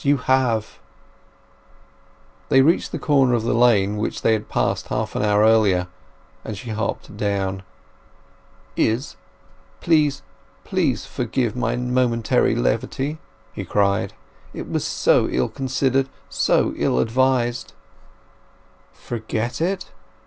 You have!" They reached the corner of the lane which they had passed half an hour earlier, and she hopped down. "Izz—please, please forget my momentary levity!" he cried. "It was so ill considered, so ill advised!" "Forget it?